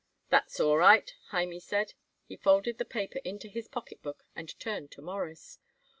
"That's all right," Hymie said. He folded the paper into his pocketbook and turned to Morris.